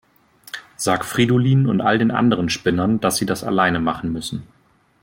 Sag Fridolin und all den anderen Spinnern, dass sie das alleine machen müssen.